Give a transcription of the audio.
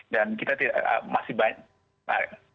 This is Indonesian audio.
dan kita masih banyak